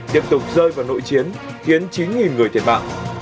tiếp tục rơi vào nội chiến khiến chín người thiệt mạng